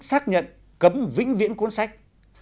xác nhận cấm vĩnh viễn cuốn sách